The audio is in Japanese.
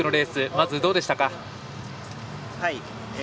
まず、どうでしたか。